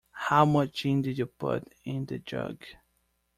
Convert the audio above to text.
How much gin did you put in the jug?